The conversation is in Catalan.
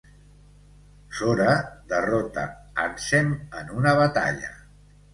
Sora derrota Ansem en una batalla.